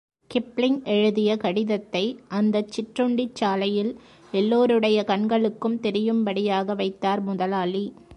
Kipling எழுதிய கடிதத்தை, அந்தச் சிற்றுண்டிச் சாலையில் எல்லோருடைய கண்களுக்கும் தெரியும்படியாக வைத்தார் முதலாளி.